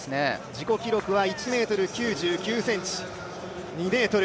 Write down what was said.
自己記録は１ｍ９９ｃｍ。